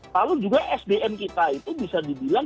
lalu juga sdm kita itu bisa dibilang